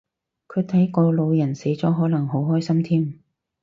佢睇個老人死咗可能好開心添